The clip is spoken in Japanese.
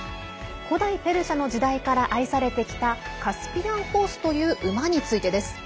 古代ペルシャの時代から愛されてきたカスピアンホースという馬についてです。